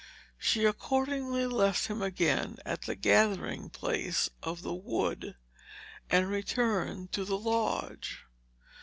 She accordingly left him again at the gathering place of the wood and returned to the lodge.